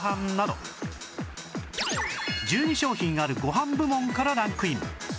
１２商品あるご飯部門からランクイン